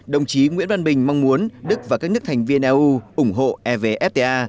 đồng chí nguyễn văn bình mong muốn đức và các nước thành viên eu ủng hộ evfta